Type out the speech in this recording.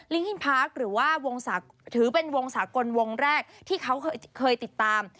ลิงคินพาร์คถือเป็นวงสากลวงแรกที่เขาเคยติดตาม